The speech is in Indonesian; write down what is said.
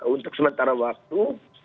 untuk sementara waktu